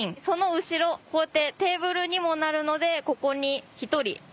その後ろこうやってテーブルにもなるのでここに１人。